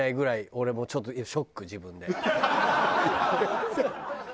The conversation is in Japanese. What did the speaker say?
俺もうちょっとショック自分で。